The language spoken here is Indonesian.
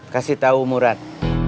kasih tau murad